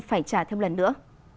phải trả thêm lần nữa